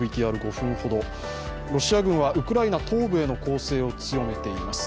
ＶＴＲ、５分ほど、ロシア軍はウクライナ東部への攻勢を強めています。